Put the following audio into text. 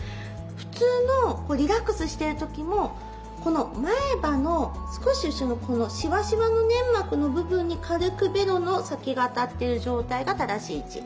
普通のリラックスしている時もこの前歯の少し後ろのこのシワシワの粘膜の部分に軽くベロの先が当たっている状態が正しい位置。